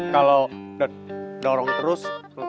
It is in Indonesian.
kalau dorong terus